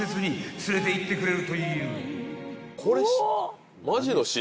［連れていってくれるという］